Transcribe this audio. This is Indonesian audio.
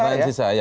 pertanyaan sisa ya